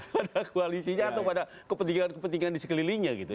pada koalisinya atau pada kepentingan kepentingan di sekelilingnya gitu